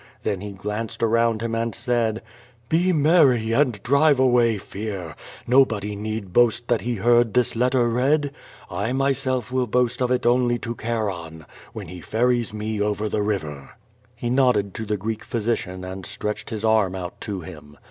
Then he glsinced around him and said: ''Be merry, and drive away fear, nobody need boast that he heard this letter read. I myself will boast of it only to Charon, whon he ferries me over the river." lie nodd«>d to the Oreek physician andstretched his arm out to him.